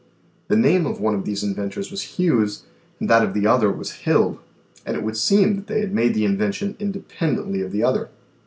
The name of one of these inventors was Hughes and that of the other was Hill, and it would seem that each had made the invention independently of the other.